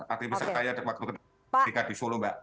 aktivis saya waktu ketika di solo mbak